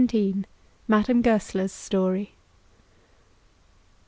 MADAME GOESLER'S STORY.